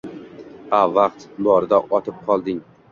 Ha, vaqt borida otib qoling…